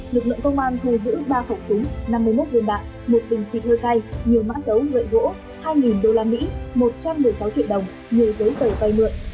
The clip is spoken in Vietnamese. lực lượng công an thu giữ ba khẩu súng năm mươi một viên đạn một bình xịt hư cây nhiều mã cấu lợi gỗ hai usd một trăm một mươi sáu triệu đồng nhiều giới tờ vay mượn